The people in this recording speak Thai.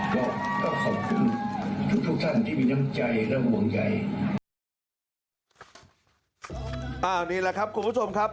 ก็ขอบคุณทุกท่านที่มีน้ำใจและหวงใจ